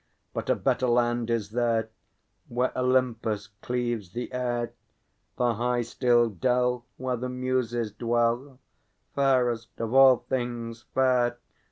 But a better land is there Where Olympus cleaves the air, The high still dell Where the Muses dwell, Fairest of all things fair!